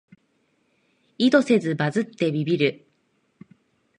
意図せずバズってビビる